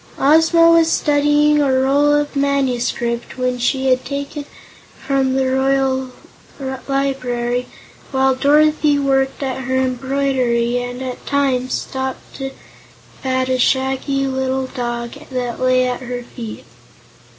Ozma was studying a roll of manuscript which she had taken from the Royal Library, while Dorothy worked at her embroidery and at times stooped to pat a shaggy little black dog that lay at her feet.